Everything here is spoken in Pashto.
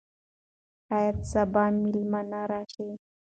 شاید سبا مېلمانه راشي.